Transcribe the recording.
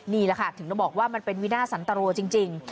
นี่แหละค่ะถึงต้องบอกว่ามันเป็นวินาทสันตรัวจริง